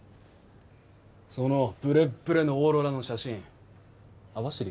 そのブレッブレのオーロラの写真網走か？